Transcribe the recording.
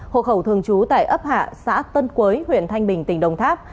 hộ khẩu thường trú tại ấp hạ xã tân quế huyện thanh bình tỉnh đồng tháp